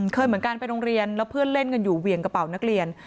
เหมือนกันไปโรงเรียนแล้วเพื่อนเล่นกันอยู่เหวี่ยงกระเป๋านักเรียน